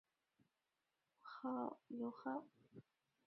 对于有动力航空器来说还可降低油耗。